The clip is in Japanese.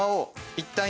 いったん？